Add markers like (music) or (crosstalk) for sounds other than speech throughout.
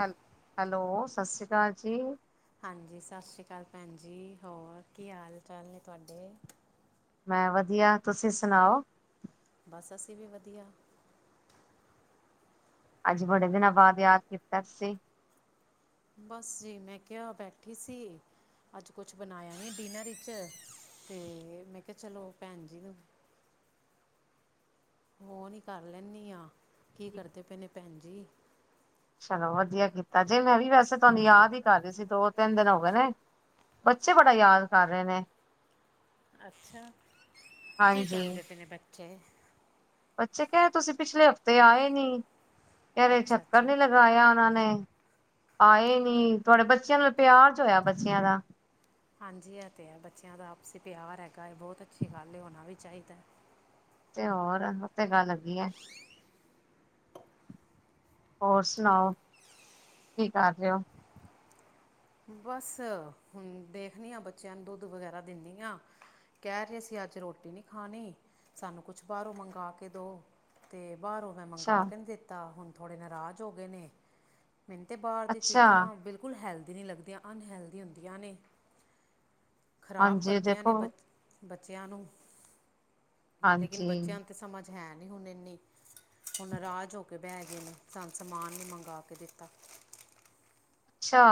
ਹੈਲ, ਹੈਲੋ ਸਸ਼੍ਰੀ ਕਾਲ ਜੀ। ਹਾਂਜੀ, ਸਾਸ਼੍ਰੀ ਕਾਲ ਭੈਨ ਜੀ, ਹੋਰ ਕੀ ਹਾਲ ਚਾਲ ਨੇ ਤੂਆਡੇ? ਮੈਂ ਵਦੀਆ, ਤੂਸੀ ਸੁਨਾਓ? ਬਸ ਅਸੀ ਵੀ ਵਦੀਆ। ਆੱਜ ਬੜੇ ਦਿਨਾਂ ਬਾਦ ਯਾਦ ਕੀਤਾ ਤੂਸੀ? ਬਸ ਜੀ, ਮੈਂ ਕੈਆ ਬੈਠੀ ਸੀ ਅੱਜ ਕੁੱਛ ਬਨਾਏਆ ਨੀ ਡਿਨਰ ਇੱਚ, ਤੇ ਮੈਂ ਕੇਆ ਚਲੋ ਭੈਨ ਜੀ ਨੂੰ ਫੋਨ ਈ ਕਾਰ ਲੈਂਨੀ ਆਂ, ਕੀ ਕਰਦੇ ਪਏ ਨੇ ਭੈਨ ਜੀ? ਚਲੋ ਵਦੀਆ ਕੀਤਾ ਜੇ, ਮੈਂ ਵੀ ਵੈਸੇ ਤੂਆਨੂੰ ਯਾਦ ਈ ਕਰ ਰੀ ਸੀ ਦੋ ਤਿੰਨ ਦਿਨ ਹੋਗੇ ਨੇ ਬੱਚੇ ਬੜਾ ਯਾਦ ਕਰ ਰੇ ਨੇ। ਅੱਛਾ, ਕੀ ਹਾਂਜੀ ਕਹਿਦੇ ਪਏ ਬੱਚੇ? ਬੱਚੇ ਕੈਅ ਤੂਸੀ ਪਿਛਲੇ ਹਫ਼ਤੇ ਆਏ ਨੀ ਕਦੇ ਅੱਛਾ ਚੱਕਰ ਅੱਛਾ ਨੀ ਲਗ ਲਾਏਆ ਓਨਾਂ ਨੇ, ਆਏ ਨੀ ਤੂਆਡੇ ਬੱਚੇਆਂ ਨਾਲ ਪੇਆਰ ਜੋ ਹੋਏਆ ਬੱਚਿਆਂ ਦਾ। ਹਾਂਜੀ, ਐ ਤੇ ਹੈ, ਬੱਚੇਆਂ ਦਾ ਆਪਸੀ ਪਿਆਰ ਹੈਗੈ, ਬੋਤ ਅੱਛੀ ਗਾੱਲ ਏ, ਹੋਨਾ ਵੀ ਚਾਈਦੈ। ਤੇ ਹੋਰ ਉਹ ਤੇ ਗੱਲ ਹੈਗੀ ਐ। ਹੋਰ ਸੁਣਾਓ ਕੀ ਕਰ ਰਹੇ ਹੋ? ਬਸ ਹੁਣ ਦੇਖਣੀ ਹਾਂ ਬੱਚਿਆਂ ਨੂੰ ਦੁੱਧ ਵਗੈਰਾ ਦਿੰਦੀ ਹਾਂ। ਕਹਿ ਰਹੇ ਸੀ ਅੱਜ ਰੋਟੀ ਨਹੀਂ ਖਾਣੀ ਸਾਨੂੰ ਕੁਛ ਬਾਹਰੋਂ ਮੰਗਾਵਾ ਕੇ ਦਉ। ਤੇ ਬਾਹਰੋਂ, ਮੈਂ ਅੱਛਾ ਮੰਗਵਾ ਕੇ ਨੀ ਦਿੱਤਾ ਹੁਣ ਥੋੜੇ ਨਾਰਾਜ਼ ਹੋ ਗਏ ਨੇ ਮੈਨੂੰ ਤੇ ਬਾਹਰ ਦੀ ਅੱਛਾ ਚੀਜ਼ਾਂ ਬਿਲਕੁਲ, ਬਿਲਕੁਲ ਹੈਲਥੀ ਨਹੀਂ ਲੱਗਦੀਆਂ ਅਨਹੈਲਦੀ ਹੁੰਦੀਆਂ ਨੇ। ਖ਼ਰਾਬ ਹਾਂਜੀ ਕਰਦੀਆਂ ਨੇ ਦੇਖੋ ਬ ਬੱਚਿਆਂ ਨੂੰ, ਲੇਕਿਨ ਹਾਂਜੀ ਬੱਚਿਆਂ ਤੇ ਸਮਝ ਹੈ ਨੀ ਹੁਣ ਇੰਨੀ, ਹੁਣ ਨਰਾਜ ਹੋ ਕੇ ਬਹਿ ਗਏ ਨੇ ਸਾਨੂੰ ਸਮਾਨ ਨੀ ਮੰਗ ਕੇ ਦਿੱਤਾ। ਅੱਛਾ।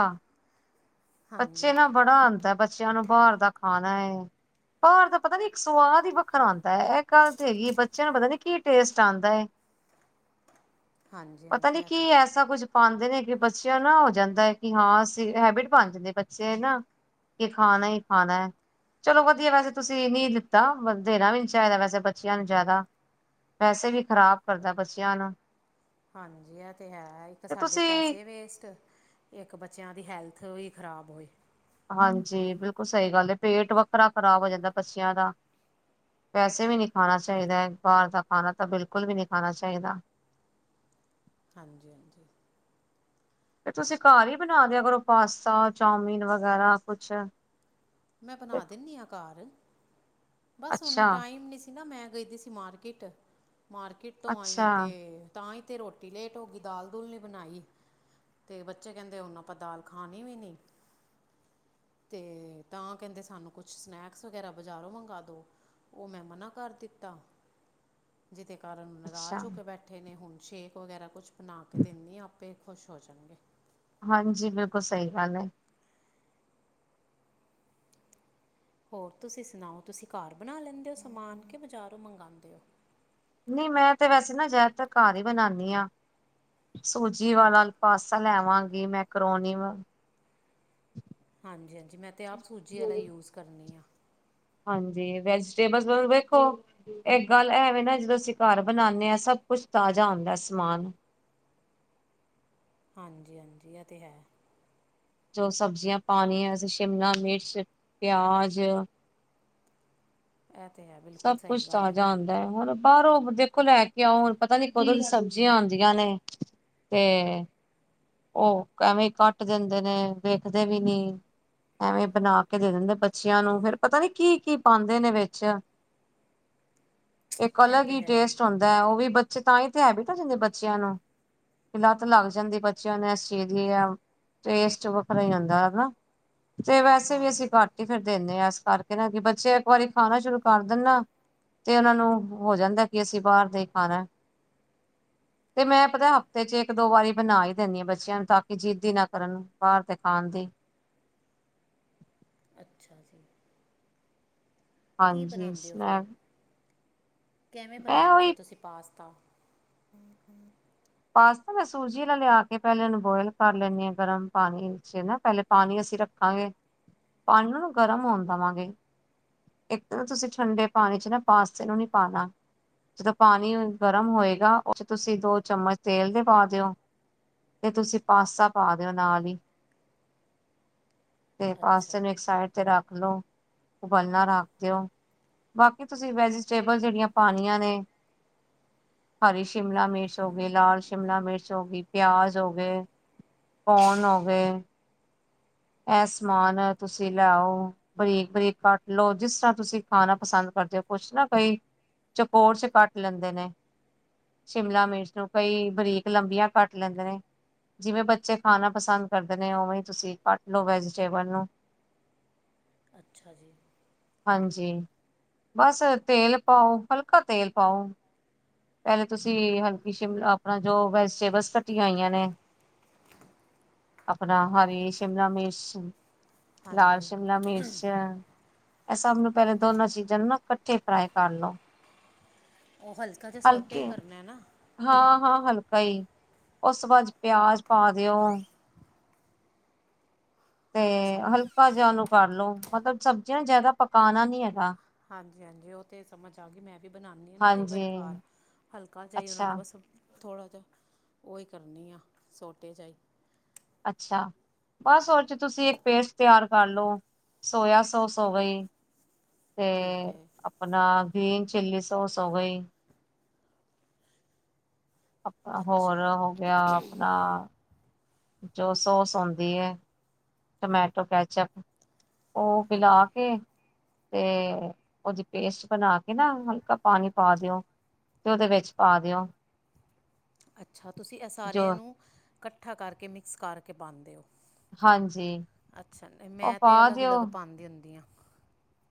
ਬੱਚੇ ਹਾਂਜੀ ਨਾ ਬੜਾ ਆਉਂਦਾ ਹੈ ਬੱਚਿਆਂ ਨੂੰ ਬਾਹਰ ਦਾ ਖਾਣਾ ਹੈ। ਬਾਹਰ ਦਾ ਪਤਾ ਨੀ ਇੱਕ ਸਵਾਦ ਹੀ ਵੱਖਰਾ ਆਉਂਦਾ ਹੈ ਇਹ ਗੱਲ ਤੇ ਹੈਗੀ ਬੱਚਿਆਂ ਨੂੰ ਪਤਾ ਨੀ ਕੀ ਟੇਸਟ ਆਂਦਾ ਹੈ। ਹਾਂਜੀ ਪਤਾ ਹਾਂਜੀ ਨੀ ਇਹ ਤੇ ਕੀ ਹੈ ਐਸਾ ਕੁੱਝ ਪਾਉਂਦੇ ਨੇ ਕਿ ਬੱਚਿਆਂ ਨਾ ਹੋ ਜਾਂਦਾ ਹੈ ਕਿ ਹਾਂ ਅਸੀਂ ਹੈਬਿਟ ਪਾਣ ਜਾਂਦੇ ਬੱਚੇ ਨਾ, ਕਿ ਖਾਣਾ ਹੀ ਖਾਣਾ ਹੈ। ਚਲੋ ਵਧੀਆ ਵੈਸੇ ਤੁਸੀਂ ਨੀ ਦਿੱਤਾ ਦੇਣਾ ਵੀ ਨੀ ਚਾਹੀਦਾ ਵੈਸੇ ਬੱਚਿਆਂ ਨੂੰ ਜ਼ਿਆਦਾ, ਪੈਸੇ ਵੀ ਖ਼ਰਾਬ ਕਰਦਾ ਬੱਚਿਆਂ ਨੂੰ, ਹਾਂਜੀ, ਇਹ ਤੇ ਹੈ ਇੱਕ ਤੇ ਸਾਡੇ ਤੁਸੀਂ ਪੈਸੇ ਵੇਸਟ, ਇੱਕ ਬੱਚਿਆਂ ਦੀ ਹੈਲਥ ਵੀ ਖ਼ਰਾਬ ਹੋਏ। ਹਾਂਜੀ ਬਿਲਕੁਲ ਸਹੀ ਗੱਲ ਹੈ ਪੇਟ ਵੱਖਰਾ ਖ਼ਰਾਬ ਹੋ ਜਾਂਦਾ ਬੱਚਿਆਂ ਦਾ ਵੈਸੇ ਵੀ ਨੀ ਖਾਣਾ ਚਾਹੀਦਾ ਬਾਹਰ ਦਾ ਖਾਣਾ ਤਾਂ ਬਿਲਕੁਲ ਵੀ ਨਹੀ ਖਾਣਾ ਚਾਹੀਦਾ। ਹਾਂਜੀ-ਹਾਂਜੀ। ਫੇਰ ਤੁਸੀਂ ਘਰ ਹੀ ਬਣਾ ਦਿਆ ਕਰੋ ਪਾਸਤਾ ਚਾਮੀਨ ਵਗੈਰਾ ਕੁਛ, ਮੈਂ ਤੇ- ਬਣਾ ਦਿੰਦੀ ਹਾਂ ਘਰ ਬਸ ਹਣ ਅੱਛਾ, ਟਾਈਮ ਨਹੀਂ ਸੀ, ਸੀ ਨਾ ਮੈਂ ਗਈ ਦੀ ਸੀ ਮਾਰਕੀਟ ਮਾਰਕੀਟ ਤੋਂ ਆਈ ਆ ਅੱਛਾ, ਤੇ ਤਾਂ ਹੀ ਤੇ ਰੋਟੀ ਲੇਟ ਹੋ ਗਈ ਦਾਲ ਦੁਲ ਨੀ ਬਣਾਈ। ਤੇ ਬੱਚੇ ਕਹਿੰਦੇ ਹੁਣ ਆਪਾਂ ਦਾਲ ਖਾਣੀ ਵੀ ਨੀ ਤੇ ਤਾਂ ਕਹਿੰਦੇ ਸਾਨੂੰ ਕੁਛ ਸਨੈਕਸ ਵਗੈਰਾ ਬਜ਼ਾਰੋਂ ਮੰਗਾਵਾ ਦਿਉ ਉਹ ਮੈਂ ਮਨਾ ਕਰ ਦਿੱਤਾ। ਜਿਹਦੇ ਕਾਰਨ ਅੱਛਾ ਨਰਾਜ ਹੋ ਕੇ ਬੈਠੇ ਨੇ ਹੁਣ ਸ਼ੇਕ ਵਗੈਰਾ ਕੁਛ ਬਣਾ ਕੇ ਦਿੰਦੇ ਹਾ ਆਪ ਆਪੇ ਖ਼ੁਸ਼ ਹੋ ਜਾਣਗੇ। ਹਾਂਜੀ, ਬਿਲਕੁਲ ਸਹੀ ਗੱਲ ਹੈ। ਹੋਰ ਤੁਸੀਂ ਸੁਣਾਓ ਤੁਸੀਂ ਘਰ ਬਣਾ ਲੈਂਦੇ ਹੋ ਸਮਾਨ ਕਿ ਬਜ਼ਾਰੋਂ ਮੰਗਾਵਾਉਂਦੇ ਹੋ। ਨਹੀ ਮੈਂ ਤੇ ਵੈਸੇ ਨਾ ਜ਼ਿਆਦਾਤਰ ਘਰ ਹੀ ਬਣਾਉਂਦੀ ਹਾਂ। ਸੂਜੀ ਵਾਲਾ ਪਾਸਤਾ ਲੈਵਾਂਗੀ ਮੈਂਕਰੋਨੀ ਵ ਹਾਂਜੀ-ਹਾਂਜੀ, ਮੈਂ ਤਾਂ ਆਪ ਸੂਜੀ ਵਾਲਾ ਯੂਜ਼ ਕਰਨੀ ਆ। ਹਾਂਜੀ, ਵੈਜੀਟੇਬਲ ਵੇਖੋ, ਇੱਕ ਗੱਲ ਐਵੇ ਨਾ ਜਦੋਂ ਅਸੀਂ ਘਰ ਬਣਾਉਦੇ ਹਾਂ ਸਭ ਕੁਛ ਤਾਜ਼ਾ ਆਉਂਦਾ ਸਮਾਨ। ਹਾਂਜੀ-ਹਾਂਜੀ, ਇਹ ਤੇ ਹੈ। ਜੋ ਸਬਜ਼ੀਆਂ ਪਾਣੀਆਂ, ਅਸੀਂ ਸ਼ਿਮਲਾ ਮਿਰਚ, ਪਿਆਜ ਇ ਤੇੇ ਹੈ। ਬਿਲਕੁਲ ਸਭ ਸਹੀ ਕੁੱਛ ਗੱਲ ਹੈ ਤਾਜ਼ਾ ਹੁੰਦ ਹੁਣ ਬਾਹਰੋਂ ਦੇਖੋ ਲੈ ਕੇ ਆਓ, ਹੁਣ ਪਤਾ ਨੀ ਕਦੋਂ ਦੀ ਸਬਜ਼ੀਆਂ ਆਉਂਦੀਆਂ ਨੇ। ਤੇ ਉਹ ਐਵੇਂ ਕੱਟ ਦਿੰਦੇ ਨੇ, ਵੇਖਦੇ ਵੀ ਨੀ। ਐਵੇਂ ਬਣਾ ਕੇ ਦੇ ਦਿੰਦੇ ਬੱਚੀਆਂ ਨੂੰ, ਫੇਿਰ ਪਤਾ ਨੀ ਕੀ ਕੀ ਪਾਉਦੇ ਨੇ ਵਿੱਚ। ਇੱਕ ਇਹ ਅਲੱਗ ਤਾਂ ਹੀ ਹੈ ਟੇਸਟ ਹੁੰਦਾ ਹੈ। ਉਹ ਵੀ ਬੱਚੇ ਤਾਂ ਹੀ ਤੇ, ਹੈਬੀਟ ਹੋ ਜਾਂਦੀ ਬੱਚਿਆਂ ਨੂੰ। ਲੱਤ ਲੱਗ ਜਾਂਦੀ ਬੱਚਿਆਂ ਨੇ ਏਸ ਚੀਜ ਦੀ, ਆ ਟੇਸਟ ਵੱਖਰਾ ਹੀ ਆਂਦਾ ਹਨਾ। ਤੇ ਵੈਸੇ ਹਾਂ ਵੀ, ਅਸੀਂ ਘੱਟ ਹੀ ਫਿਰ ਦਿੰਦੇ ਹਾਂ ਇਸ ਕਰਕੇ ਨਾ, ਕਿ ਬੱਚੇ ਇੱਕ ਵਾਰੀ ਖਾਣਾ ਸ਼ੁਰੂ ਕਰ ਦਿੰਦਾ ਤੇ ਉਹਨਾਂ ਨੂੰ ਹੋ ਜਾਂਦਾ, ਕਿ ਅਸੀਂ ਬਾਹਰ ਦਾ ਹੀ ਖਾਣਾ ਤੇ ਮੈਂ ਪਤਾ ਅੱਛਾ ਹਫ਼ਤੇ 'ਚ ਇੱਕ ਇੱਕ ਦੋ ਵਾਰੀ ਬਣਾ ਹੀ ਦਿੰਦੀ ਹਾਂ ਬੱਚਿਆਂ ਨੂੰ, ਤਾਂ ਕਿ ਜਿੱਦ ਨਾ ਕਰਨ ਬਾਹਰ ਤੇ ਖਾਣ ਦੀ। ਅੱਛਾ ਜੀ। ਕੀ ਹਾਂਜੀ ਬਣਾਉਂਦੇ ਹੋ ਫਿਰ, ਸਨੈਕ ਕਿਵੇਂ ਮੈਂ ਬਣਾਉਂਦੇ ਹੋ ਫਿਰ ਉਹੀ ਤੁਸੀਂ ਪਾਸਤਾ? ਹਮ, ਹਮ। ਪਾਸਤਾ ਮੈਂ ਸੂਜੀ ਦਾ ਲਿਆ ਕੇ, ਪਹਿਲੇ ਇਹਨੂੰ ਬੋਇਲ ਕਰ ਲੈਂਦੀ ਹਾ। ਗਰਮ ਪਾਣੀ ਵਿੱਚ ਨਾ ਪਹਿਲੇ ਪਾਣੀ ਅਸੀਂ ਰੱਖਾਂਗੇ, ਪਾਣੀ ਨੂੰ ਨਾ ਗਰਮ ਹੋਣ ਦੇਵਾਂਗੇ। ਇੱਕ ਨਾ ਤੁਸੀਂ, ਠੰਡੇ ਪਾਣੀ 'ਚ ਨਾ ਪਾਸਤੇ ਨੂੰ ਨਹੀਂ ਪਾਣਾ। ਜਦੋਂ ਪਾਣੀ ਗਰਮ ਹੋਏਗਾ, ਉਹ 'ਚ ਤੁਸੀਂ ਦੋ ਚਮਚ ਤੇਲ ਦੇ ਪਾ ਦਿਓ, ਤੇ ਤੁਸੀਂ ਪਾਸਤਾ ਪਾ ਦਿਓ ਨਾਲ ਹੀ। ਤੇ ਅੱਛਾ ਪਾਸੇ ਨੂੰ ਇੱਕ ਸਾਈਡ ਤੇ ਰੱਖ ਲਓ, ਉਬਲਣਾ ਰੱਖ ਦਿਓ। ਬਾਕੀ ਤੁਸੀਂ, ਵੈਜੀਟੇਬਲ ਜਿਹੜੀਆਂ ਪਾਣੀਆਂ ਨੇ ਹਰੀ ਸ਼ਿਮਲਾ ਮਿਰਚ ਹੋ ਗਈ, ਲਾਲ ਸ਼ਿਮਲਾ ਮਿਰਚ ਹੋ ਗਈ, ਪਿਆਜ ਹੋ ਗਏ, ਕੋਨ ਹੋ ਗਏ। ਇਹ ਸਮਾਨ ਤੁਸੀਂ ਲੈ ਆਓ ਬਰੀਕ-ਬਰੀਕ ਕੱਟ ਲਓ, ਜਿਸ ਤਰ੍ਹਾਂ ਤੁਸੀਂ ਖਾਣਾ ਪਸੰਦ ਕਰਦੇ ਹੋ। ਕੁਛ ਨਾ ਕਈ ਚਕੋਰ 'ਚ ਕੱਟ ਲੈਂਦੇ ਨੇ ਸ਼ਿਮਲਾ ਮਿਰਚ ਨੂੰ, ਕਈ ਬਰੀਕ ਲੰਬੀਆਂ ਕੱਟ ਲੈਂਦੇ ਨੇ। ਜਿਵੇਂ ਬੱਚੇ ਖਾਣਾ ਪਸੰਦ ਕਰਦੇ ਨੇ, ਉਵੇਂ ਹੀ ਤੁਸੀਂ ਕੱਟ ਲੋ, ਵੈਜੀਟੇਬਲ ਨੂੰ ਅੱਛਾ ਜੀ। ਹਾਂਜੀ, ਬਸ ਤੇਲ ਪਾਓ, ਹਲਕਾ ਤੇਲ ਪਾਓ ਪਹਿਲੇ ਤੁਸੀਂ ਹਲਕੀ ਸ਼ਿਮ ਆਪਣਾ, ਜੋ ਵੈਜੀਟੇਬਲਸ ਕਟੀਆ ਹੋਈਆਂ ਨੇ। ਆਪਣਾ ਹਰੀ ਸ਼ਿਮਲਾ ਮਿਰਚ ਲਾਲ ਹਾਂਜੀ ਸ਼ਿਮਲਾ ਮਿਰਿਚ ਇਹ ਸਭ ਨੂੰ ਪਹਿਲੇ ਦੋਨਾਂ ਚੀਜ਼ਾਂ ਨੂੰ ਨਾ, ਇਕੱਠੇ ਫਰਾਈ ਕਰ ਲਉ। ਉਹ ਹਲਕਾ ਜਾ, ਸੋਟੇ ਹੀ ਹਲਕੇ ਕਰਨੇ ਆ ਨਾ? ਹਾਂ ਹਾਂ ਹਲਕਾ ਹੀ, ਉਸ ਬਾਅਦ ਪਿਆਜ ਪਾ ਦਿਓ ਤੇ ਅੱਛਾ ਹਲਕਾ ਜਿਹਾ ਉਹਨੂੰ ਕਰ ਲੋ, ਮਤਲਬ ਸਬਜ਼ੀਆਂ ਨਾ ਜਿਆਦਾ ਪਕਾਣਾ ਨੀ ਹੈਗਾ। ਹਾਂਜੀ ਹਾਂਜੀ, ਉਹ ਤੇ ਸਮਝ ਆ ਗਈ। ਮੈਂ ਵੀ ਵੀ ਬਣਾਉਾਨਦੀ ਹਾਂ ਨਾ ਕਈ ਹਾਂਜੀ ਵਾਰੀ ਕਾਰ, ਹਲਕਾ ਚਾਹੀ ਉਹਨਾ ਅੱਛਾ ਨੂੰ ਬਸ ਥੋੜ੍ਹਾ ਜਿਹਾ ਉਹ ਹੀ ਕਰਨ ਹਾਂ, ਸੋਟੇ 'ਚਾਹੀ। ਅੱਛਾ, ਬਸ ਹੋਰ ਤੁਸੀਂ ਇੱਕ ਪੇਸਟ ਤਿਆਰ ਕਰ ਲਓ, ਸੋਇਆ ਸੋਸ ਹੋ ਗਈ ਤੇ ਠੀਕ ਹੈ ਆਪਣਾ, ਗ੍ਰੀਨ ਚਲੀ ਸੋਸ ਹੋ ਗਈ। ਆਪਣਾ ਹੋਰ ਅੱਛਾ ਹੋ ਗਆ ਆਪਣਾ। ਜੋ ਸੋਸ ਔਂਦੀ ਐ, ਟਮੈਟੋ ਕੈਚਅਪ ਓਹ ਮਿਲਾ ਹਾਂਜੀ ਕੇ ਤੇ ਓਦੀ ਪੇਸਟ ਬਣਾ ਕੇ ਨਾ ਹਲਕਾ ਪਾਣੀ ਪਾ ਦੇਓ। ਤੇ ਓਦੇ ਵਿੱਚ ਪਾ ਦੇਓ। ਅੱਛਾ ਤੁਸੀਂ ਏਹ ਜੋ ਸਾਰਿਆਂ ਨੂੰ, ਇਕੱਠਾ ਕਰਕੇ ਮਿਕਸ ਕਰਕੇ ਪਾਂਦੇ ਓ ਹਾਂਜੀ। ਅੱਛਾ ਉਹ ਮੈਂ ਪਾ ਤੇ ਦਿਓ ਅਲੱਗ-ਅਲੱਗ ਪਾਂਦੀ ਹੁੰਣੀ ਆਂ।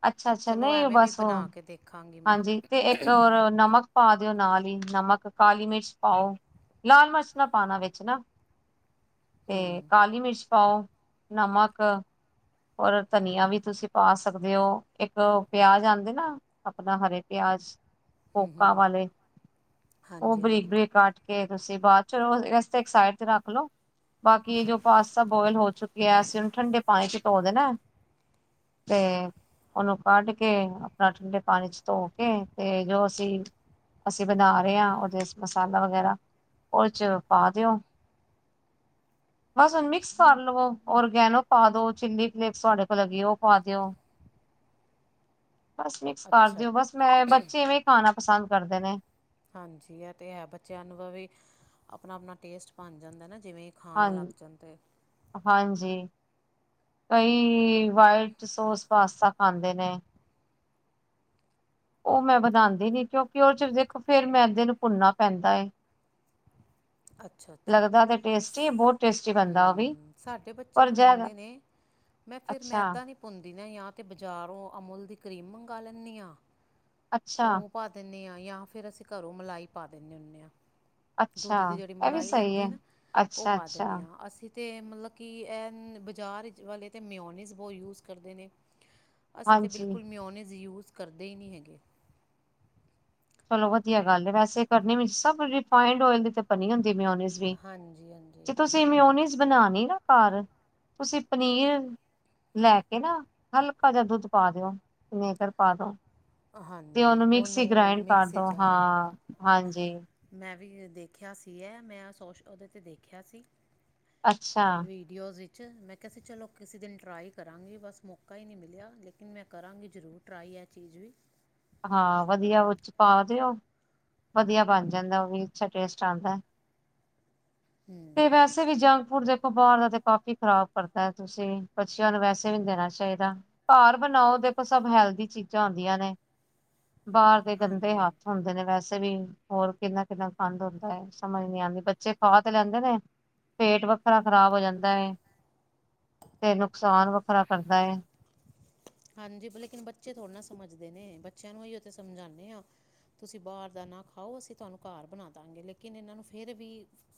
ਅੱਛਾ-ਅੱਛਾ ਨਈ ਬਸ ਓ, ਦੇਖਾਂਗੀ ਮੈਂ ਹਾਂਜੀ ਤੇ ਇੱਕ ਹੋਰ ਨਮਕ ਪਾ ਦੇਓ ਨਾਲ ਈ ਨਮਕ ਕਾਲੀ ਮਿਰਚ ਪਾਓ, ਲਾਲ ਮਰਚ ਨਾ ਪਾਣਾ ਵਿੱਚ ਨਾ। ਤੇ ਕਾਲੀ ਮਿਰਚ ਪਾਓ ਨਮਕ ਔਰ ਧਨੀਆ ਵੀ ਤੁਸੀਂ ਪਾ ਸਕਦੇ ਓ। ਏੱਕ ਪਿਆਜ ਆਂਦੇ ਨਾ ਆਪਨਾ ਹਰੇ ਪਆਜ ਪੋਕਾਂ ਵਾਲੇ, ਓਹ ਹਾਂਜੀ ਹਾਂਜੀ ਬਰੀਕ-ਬਰੀਕ ਕਾਟ ਕੇ ਤੁਸੀਂ ਬਾਦ ਚ ਏਸਤੇ ਇੱਕ ਸਾਈਡ ਤੇ ਰੱਖ ਲੋੋ। ਬਾਕੀ ਜੋ ਪਾਸਤਾ ਬੋਇਲ ਹੋ ਚੁੱਕੀ ਐ ਅਸੀਂ ਓਨੂੰ ਠੰਡੇ ਪਾਣੀ ਚ ਧੋ ਦੇਣੈ। ਤੇ ਓਹਨੂੰ ਕੱਢ ਕੇ, ਆਪਣਾ ਠੰਡੇ ਪਾਣੀ ਚ ਧੋ ਕੇ, ਤੇ ਜੋ ਅਸੀਂ ਅਸੀਂ ਬਣਾ ਰਹੇ ਆਂ, ਓਹਦੇ ਮਸਾਲਾ ਵਗੈਰਾ, ਓਦੇ ਚ ਪਾ ਦੇਓ। (inaudible) ਬਸ ਹੁਣ ਮਿਕਸ ਕਰ ਲਵੇ, ਔਰਗੈਨੋ ਪਾ ਦੋ, ਚਿੱਲੀ ਫਲੇਕਸ ਤੁਹਾਡੇ ਕੋਲ ਹੈਗੀ ਐ, ਓਹ ਪਾ ਦੇਓ। ਮਿਕਸ ਹਾਂਜੀ ਅੱਛਾ ਬਸ, ਮੈਂ ਬੱਚੇ ਇਵੇਂ ਖਾਣਾ ਪਸੰਦ ਕਰਦੇ ਨੇ। ਹਾਂਜੀ ਐ ਤੇ ਹੈ। ਬੱਚਿਆਂ ਨੂੰ ਵੀ ਆਪਣਾ- ਆਪਣਾ ਟੇਸਟ ਬਣ ਜਾਂਦੈ ਨਾ, ਜਿਵੇਂ ਹਾਂ ਖਾਣ ਲੱਗ ਜਾਂਦੇ ਨੇ। ਹਾਂਜੀ, ਕਈ ਵਾਈਟ ਸੋਸ ਪਾਸਤਾ ਖਾਂਦੇ ਨੇ। ਓਹ ਮੈਂ ਬਣਾਂਦੀ ਨੀ, ਕਿਉਂਕਿ ਓਦਚ ਦੇਖੋ ਫੇਰ ਮੈਂਦੇ ਨੂੰ ਭੁੰਨਨਾ ਪੈਂਦਾ ਏ। (inaudible) ਅੱਛਾ-ਅੱਛਾ, ਲੱਗਦਾ ਤੇ ਟੇਸਟੀ ਬਹੁਤ ਟੇਸਟੀ ਬਣਦਾ ਉਹ ਵੀ ਹੂਂ ਸਾਡੇ ਬੱਚੇ ਪਰ ਵੀ ਜ ਮੰਗਦੇ ਨੇ। ਮੈਂ, ਫਿਰ ਅੱਛਾ ਮੈਦਾ ਨੀ ਭੁੰਦੀ ਨਈ ਯਾਂ ਤੇ ਬਾਜ਼ਾਰੋਂ ਅਮੁਲ ਦੀ ਕਰੀਮ ਮੰਗਵਾ ਲੈਂਣੀ ਆਂ, ਅੱਛਾ ਓ ਪਾ ਦੇੱਣੇ ਆਂ, ਜਾਂ ਫੇਰ ਅਸੀਂ ਘਰੋਂ ਮਲਾਈ ਪਾ ਦੇੱਦੇ ਹੁੰਣੇ ਆਂ। ਅੱਛਾ ੳਸਦੀ ਜੇਹੜੀ ਇਹ ਵੀ ਮਲਾਈ ਸਹੀ ਲੈਦੀ ਹੈ ਏ ਨਾ, ਓ ਅੱਛਾ ਪਾ ਅੱਛਾ ਦੇੱਣੇ ਆ ਅਸੀਂ। ਤੇ ਮਤਲਬ ਕਿ, ਐ ਬਜ਼ਾਰ ਇਚ ਵਾਲੇ ਤੇ ਮਿਓਨੀਜ਼ ਬਹੁਤ ਯੂਜ ਕਰਦੇ ਨੇ। ਅਸੀਂ, ਤਾਂ ਹਾਂਜੀ ਬਿਲਕੁਲ ਮਿਓਨਿਜ਼ ਯੂਜ ਕਰਦੇ ਈ ਨੀ ਹੈਗੇ। ਚਲੋ ਵਧੀਆ ਗੱਲ ਐ, ਵੈਸੇ ਕਰਨੇ ਵੀ ਸਭ ਰਿਫਾਈਂਡ ਔਏਲ ਦੇ ਚਕ ਭਨੀ ਹੁੰਦੀ ਮਿਉਨਿਜ਼ ਵੀ, ਹਾਂਜੀ ਹਾਂਜੀ ਜੇ ਤੁ ਜੇ ਮਿਊਨੀਜ਼ ਬਣਾਣੀ ਨਾ ਘਰ, ਤੁਸੀਂ ਪਨੀਰ ਲੈ ਕੇ ਨਾ, ਹਲਕਾ ਜੇਹਾ ਦੁੱਧ ਪਾ ਦੇਓ, ਵੀਨੇਗਰ ਪਾ ਦੋ। ਤੇ ਹਾਂਜੀ, ਉਹਨੂੰ ਮਿਕਸੀ ਉੱਨੂੰ ਗ੍ਰਾਇੰਡ ਕਰ ਮਿਕਸੀ ਦੋ ਚ ਹਾਂ। ਹਾਂਜੀ ਮੈਂ ਵੀ ਦੇਖਿਆ ਸੀ ਐ, ਮੈਂ ਸੋਸ਼ ਓਹਦੇ ਤੇ ਦੇਖਿਆ ਸੀ, ਅੱਛਾ ਐਹ ਵੀ ਵੀਡੀਓਜ਼ ਵਿੱਚ ਮੈਂ ਕੇਆ ਸੀ ਚਲੋ ਕਿਸੀ ਦਿਨ ਟਰਾਈ ਕਰਾਂਗੀ, ਬਸ ਮੌਕਾ ਈ ਨੀ ਮਿਲਿਆ, ਲੇਕਿਨ ਮੈਂ ਕਰਾਂਗੀ ਜ਼ਰੂਰ਼। ਟਰਾਈ ਐ ਚੀਜ਼ ਵੀ ਹਾਂ ਵਧੀਆ, ਓਦੇ ਚ ਪਾ ਦੇਓ। ਵਧੀਆ ਬਣ ਜਾਂਦੈ ਓਹ ਵੀ ਅੱਛਾ ਟੇਸਟ ਆਂਦੈ। ਤੇ ਵੈਸੇ ਵੀ ਜੰਗਪੁਰ ਦੇ ਬਾਰ ਦਾ ਤੇ ਕਾਫੀ ਖ਼ਰਾਬ ਕਰਦਾ ਤੁਸੀਂ, ਬੱਚੇਆਂ ਨੂੰ ਵੈਸੇ ਵੀ ਨ ਦੇਣਾ ਚਾਈਦਾ। ਘਰ ਬਣਾਓ ਦੇਖੋ, ਸਭ ਹੈਲਦੀ ਚੀਜ਼ਾਂ ਆਂਦੀਆਂ ਨੇ। ਬਾਰ ਦੇ ਗੰਦੇ ਹਾਂਜੀ ਹੱਥ ਹੁੰਦੇ ਨੇ ਵੈਸੇ। ਤੇ ਵੀ ਹੋਰ ਕਿੰਨਾ- ਕਿੰਨਾ ਗੰਦ ਹੁੰਦਾ ਏ, ਸਮਝ ਨੀ ਆਂਦੀ, ਬੱਚੇ ਖਾ ਤੇ ਲੈਂਦੇ ਨੇ ਪੇਟ ਵੱਖਰਾ ਖ਼ਰਾਬ ਹੋ ਜਾਂਦਾ ਏ, ਤੇ ਨੁਕਸਾਨ ਵੱਖਰਾ ਕਰਦਾ ਏ ਹਾਂਜੀ, ਲੇਕਿਨ ਬੱਚੇ ਥੋੜ੍ਹੇ ਨਾ ਸਮਝਦੇ ਨੇ, ਬੱਚੇਆਂ ਨੂੰ ਏਈਓ ਤਾ ਸਮਝਾਂਦੇ ਆਾਂ। ਤੁਸੀਂ ਬਾਰ ਦਾ ਨਾ ਖਾਓ, ਅਸੀਂ ਤਾਨੂੰ ਘਾਰ ਬਣਾਦਾਂਗੇ, ਲੇਕਿਨ ਏਨਾਂ ਨੂੰ ਫਿਰ ਵੀ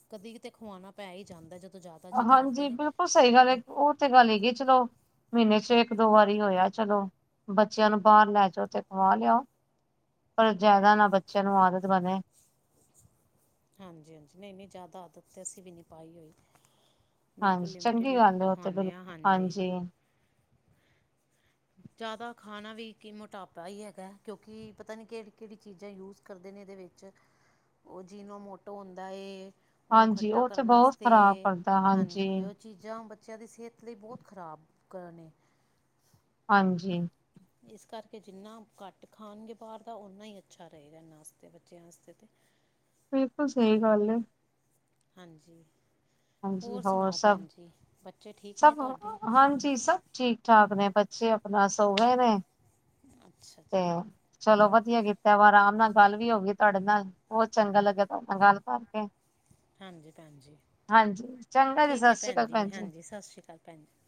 ਕਦੀ- ਕਿਤੇ ਖਵਾਣਾ ਪੈ ਈ ਜਾਂਦਾ, ਜਦੋਂ ਜ਼ਿਆਦਾ ਜਿੱਦ ਕਰਦੇ ਹਾਂਜੀ, ਨੇ ਬਿਲਕੁਲ ਸਈ ਗੱਲ ਏ, ਓ ਤੇ ਗੱਲ ਹੈਗੀ ਚਲੋ ਮਹੀਨੇ ਚ ਇੱਕ- ਦੋ ਵਾਰੀ ਹੋਏਆ, ਚਲੋ ਬੱਚੇਆਂ ਨੂੰ ਬਾਰ ਲੈ ਜਾਓ, ਤੇ ਖਵਾ ਲਿਆਓ। ਪਰ ਜ਼ਾਦਾ ਨਾ, ਬੱਚੇਆਂ ਨੂੰ ਆਦਤ ਬਣੇ। ਹਾਂਜੀ-ਹਾਂਜੀ, ਨਹੀਂ- ਨਹੀਂ ਜ਼ਾਦਾ ਆਦਤ ਤਾਂ ਅਸੀਂ ਵੀ ਨਈ ਪਾਈ ਹੋਈ। ਬਿਲਕੁਲ ਹਾਂਜੀ ਲਿਮਟਿਡ ਚੰਗੀ ਹੀ ਗੱਲ ਹੈ ਉਹ ਤੇ ਖਾਂਨੇ ਆ, ਬਿਲਕੁਲ ਹਾਂਜੀ। ਜ਼ਾਦਾ ਖਾਣਾ ਵੀ ਕਿ ਮੋਟਾਪਾ ਈ ਹੈਗਾ, ਕਿਓਕਿ ਪਤਾ ਨਈ ਕੇੜੀ- ਕੇੜੀ, ਚੀਜ਼ਾਂ ਯੂਜ ਕਰਦੇ ਨੇ, ਏਦੇ ਵਿੱਚ, ਓ ਜਿਨੂੰ ਮੋਟੋ ਹੁੰਦਾ ਏ। ਓਨੂੰ ਹਾਂਜੀ ਖੱਟਾ ਉਹ ਤੇ ਕਰਨ ਬਹੁਤ ਵਾਸਤੇ ਖ਼ਰਾਬ ਕਰਦਾ ਹਾਂਜੀ, ਓਚੀਜ਼ਾਂ ਬੱਚੇਆਂ ਦੀ ਸੇਤ ਲਈ ਬੋਤ ਖ਼ਰਾਬ ਕਰਨ ਨੇ। ਹਾਂਜੀ। ਇਸ ਕਰਕੇ ਜਿੰਨਾ ਘੱਟ ਖਾਣਗੇ, ਬਾਹਰ ਦਾ ਓਨਾ ਈ ਅੱਛਾ ਰਏਗਾ, ਏਨਾਂ ਵਾਸਤੇ ਬੱਚੇਆਂ ਵਾਸਤੇ ਤੇ ਬਿਲਕੁਲ ਸਈ ਗੱਲ ਐ। ਹਾਂਜੀ, ਹਾਂਜੀ ਹੋਰ ਸੁਣਾਓ ਸਭ ਭੈਣ ਜੀ? ਬੱਚੇ ਠੀਕ ਨੇ ਤੁਆਡੇ? ਜੀ ਸਭ ਠੀਕ- ਠਾਕ ਨੇ ਬੱਚੇ ਆਪਣਾ ਸੋ ਗਏ ਨੇ ਅੱਛਾ ਤੇ ਜੀ ਚਲੋ ਵੱਧੀਆ ਕੀਤਾ ਵਾ ਆਰਾਮ ਨਾਲ ਗੱਲ ਵੀ ਹੋ ਗਈ ਤੁਆਡੇ ਨਾਲ, ਬਹੁਤ ਚੰਗਾ ਲੱਗੇਆ ਤੁਆਡੇ ਨਾਲ ਗੱਲ ਕਰਕੇ। ਹਾਂਜੀ ਭੈਣ ਜੀ, ਹਾਂਜੀ ਚੰਗਾ ਜੀ ਠੀਕ ਸਤਿ ਏ ਸ੍ਰੀ ਭੈਣ ਅਕਾਲ ਜੀ, ਹਾਂਜੀ, ਸਤਿ ਸ਼੍ਰੀ ਅਕਾਲ ਭੈਣ ਜੀ।